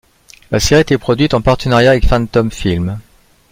La série a été produite en partenariat avec Phantom Films.